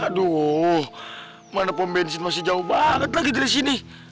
aduh mana pom bensin masih jauh banget lagi dari sini